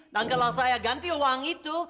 kalau saya ganti uang itu